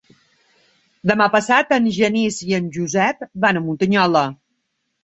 Demà passat en Genís i en Josep van a Muntanyola.